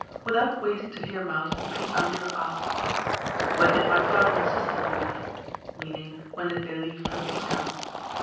Without waiting to hear him out, Prince Andrew asked: "When did my father and sister leave?" meaning when did they leave for Moscow.